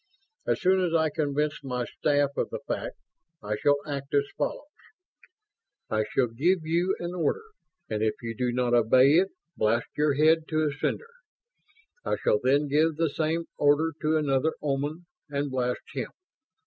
As soon as I convince my staff of the fact, I shall act as follows: I shall give you an order and if you do not obey it blast your head to a cinder. I shall then give the same order to another Oman and blast him.